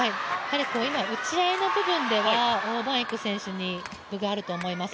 今、打ち合いの部分では王曼イク選手に分があると思います。